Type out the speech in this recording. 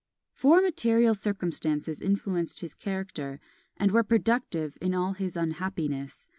Four material circumstances influenced his character, and were productive of all his unhappiness.